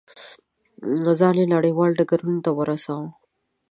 ځان یې نړیوالو ډګرونو ته ورساوه.